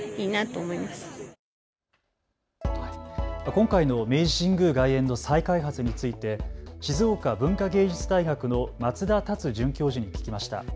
今回の明治神宮外苑の再開発について静岡文化芸術大学の松田達准教授に聞きました。